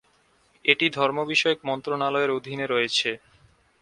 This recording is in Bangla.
এটি ধর্ম বিষয়ক মন্ত্রণালয়ের অধীনে রয়েছে।